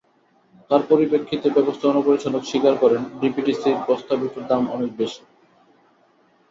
তার পরিপ্রেক্ষিতে ব্যবস্থাপনা পরিচালক স্বীকার করেন, ডিপিডিসির প্রস্তাবিত দাম অনেক বেশি।